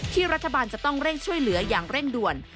รัฐบาลจะต้องเร่งช่วยเหลืออย่างเร่งด่วน